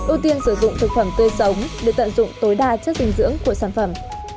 ưu tiên sử dụng thực phẩm tươi sống để tận dụng tối đa chất dinh dưỡng của sản phẩm